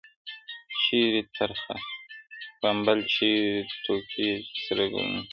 چيري ترخه بمبل چيري ټوکيږي سره ګلونه,